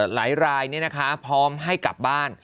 หลายรายพร้อมให้กลับบ้าน